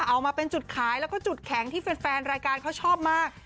เอามาเป็นจุดขายแล้วก็จุดแข็งที่แฟนรายการเขาชอบมาก